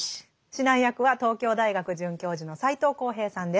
指南役は東京大学准教授の斎藤幸平さんです。